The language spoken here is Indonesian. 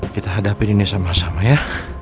kita hadapi ini sama sama ya